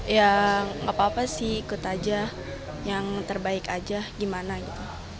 ya nggak apa apa sih ikut aja yang terbaik aja gimana gitu